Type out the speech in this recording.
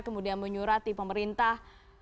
kemudian menyurati pemerintah